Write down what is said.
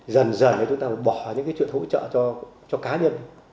dần dần thì chúng ta bỏ những cái chuyện hỗ trợ cho cá nhân